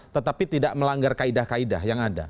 tetapi tidak melanggar kaidah kaidah yang ada